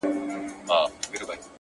o ځكه چي دا خو د تقدير فيصله،